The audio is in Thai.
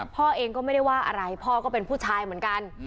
พ่อเองก็ไม่ได้ว่าอะไรพ่อก็เป็นผู้ชายเหมือนกัน